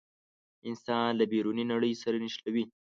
انسان له بیروني نړۍ سره نښلوي.